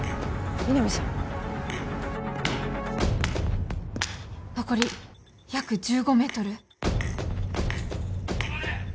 皆実さん残り約１５メートル止まれ！